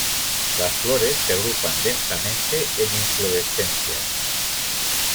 Las flores se agrupan densamente en inflorescencias.